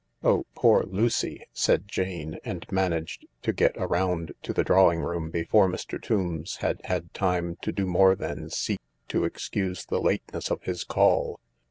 " Oh, poor Lucy 1 " said Jane, and managed to get round to the drawing room before Mr. Tombs had had time to do more than seek to excuse tljie lateness of his call.